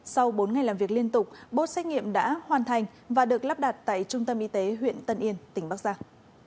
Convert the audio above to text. sau bốn ngày làm việc liên tục bốt xét nghiệm đã hoàn thành và được lắp đặt tại trung tâm y tế huyện tân yên tỉnh bắc giang